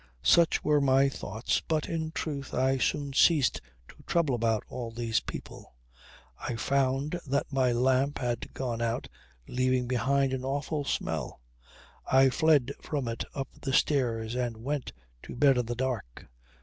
Such were my thoughts, but in truth I soon ceased to trouble about all these people. I found that my lamp had gone out leaving behind an awful smell. I fled from it up the stairs and went to bed in the dark.